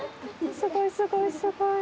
すごいすごいすごい。